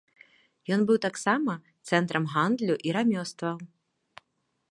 Ён быў таксама цэнтрам гандлю і рамёстваў.